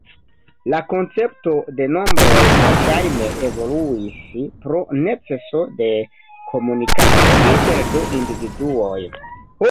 La koncepto de nombroj verŝajne evoluis pro neceso de komunikado inter du individuoj.